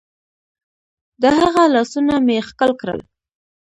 د هغه لاسونه مې ښکل کړل.